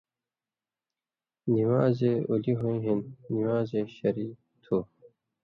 نِوان٘زے اُولی ہویں ہِن نِوان٘زے شریۡ تھُو۔